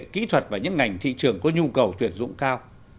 kỹ thuật và những ngành thị trường có nhu cầu tuyển dụng cao